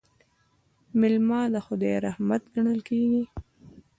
میلمه د خدای رحمت ګڼل کیږي.